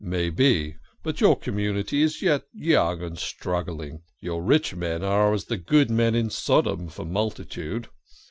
" Maybe ; but your community is yet young and struggling your rich men are as the good men in Sodom for multi tude.